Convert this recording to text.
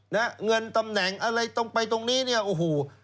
เงินตำแหน่งอะไรตรงไปตรงนี้เนี่ยโอ้โห